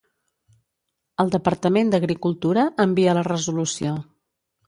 El Departament d'Agricultura envia la resolució.